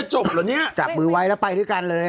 หลากหลายรอดอย่างเดียว